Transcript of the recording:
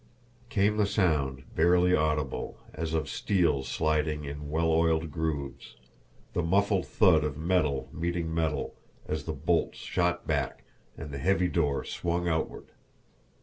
Came the sound, barely audible, as of steel sliding in well oiled grooves, the muffled thud of metal meeting metal as the bolts shot back and the heavy door swung outward.